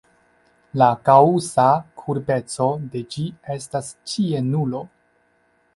La gaŭsa kurbeco de ĝi estas ĉie nulo.